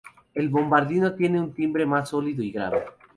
El bombardino tiene un timbre más sólido y grave.